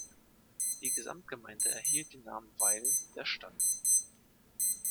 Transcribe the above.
Die Gesamtgemeinde erhielt den Namen Weil der Stadt.